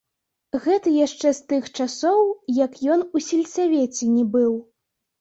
Гэта яшчэ з тых часоў, як ён у сельсавеце не быў.